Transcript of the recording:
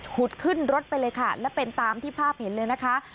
ขึ้นรถไปเลยค่ะและเป็นตามที่ภาพเห็นเลยนะคะ